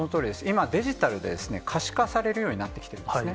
今、デジタルで可視化されるようになってきているんですね。